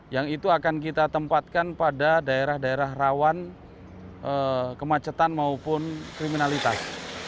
yang itu akan kita tempatkan pada daerah daerah rawan kemacetan maupun kriminalitas